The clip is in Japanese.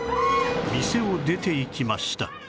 店を出ていきました